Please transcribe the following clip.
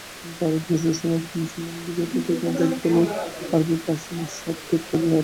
ভারতবর্ষের সমস্ত মুসলমান বিজেতার মধ্যে একদলও আরবী বা পার্শী নয়, সব তুর্কাদি তাতার।